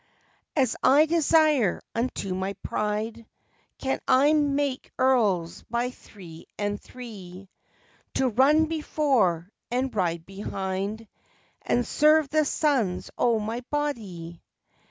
"As I desire, unto my pride, Can I make Earls by three and three, To run before and ride behind And serve the sons o' my body."